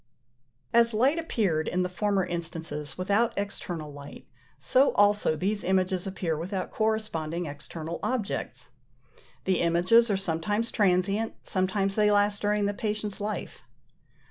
As light appeared, in the former instances, without external light, so also these images appear without corresponding external objects. The images are sometimes transient, sometimes they last during the patient's life.